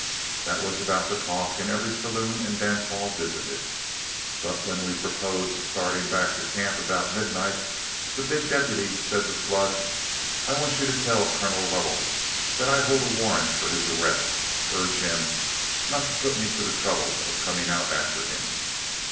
That was about the talk in every saloon and dance hall visited. But when we proposed starting back to camp, about midnight, the big deputy said to Flood: 'I want you to tell Colonel Lovell that I hold a warrant for his arrest; urge him not to put me to the trouble of coming out after him.